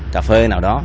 cà phê nào đó